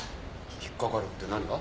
引っかかるって何が？